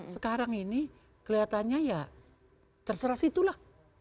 sekarang ini kelihatannya ya terserah situlah